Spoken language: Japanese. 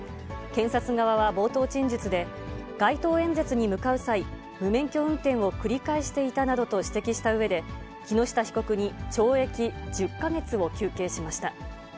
検察側は冒頭陳述で、街頭演説に向かう際、無免許運転を繰り返していたなどと指摘したうえで、木下被告に懲役１０か月を求刑しました。